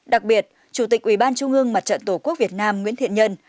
đặc biệt chủ tịch ủy ban trung ương mặt trận tổ quốc việt nam nguyễn thiện nhân